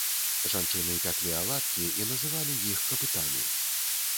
Жанчыны пяклі аладкі, і называлі іх капытамі.